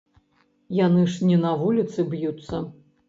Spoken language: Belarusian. Яны ж не на вуліцы б'юцца.